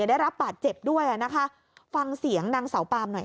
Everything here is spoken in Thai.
ได้รับบาดเจ็บด้วยนะคะฟังเสียงดังเสาปามหน่อยค่ะ